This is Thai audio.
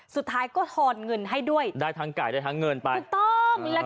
สุดท้ายก็ทอนเงินให้ด้วยได้ทั้งไก่ได้ทั้งเงินไปถูกต้อง